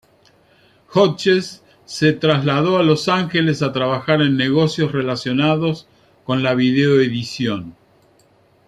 Hodges se trasladó a Los Ángeles a trabajar en negocios relacionados con la vídeo-edición.